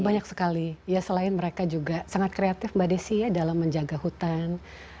banyak sekali ya selain mereka juga sangat kreatif mbak desi ya dalam menjaga hutan